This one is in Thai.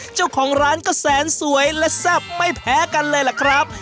เจ้าของร้านก็แสนสวยและแซ่บไม่แพ้กันเลยล่ะครับ